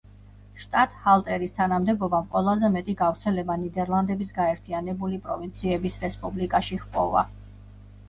შტატჰალტერის თანამდებობამ ყველაზე მეტი გავრცელება ნიდერლანდების გაერთიანებული პროვინციების რესპუბლიკაში ჰპოვა.